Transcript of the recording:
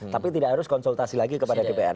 tapi tidak harus konsultasi lagi kepada dpr